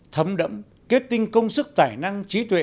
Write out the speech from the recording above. thấm đẫm kết tinh công sức tài năng trí tuệ